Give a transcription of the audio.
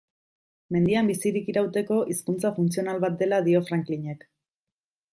Mendian bizirik irauteko hizkuntza funtzional bat dela dio Franklinek.